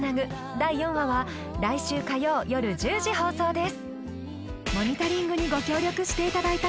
第４話は来週火曜夜１０時放送です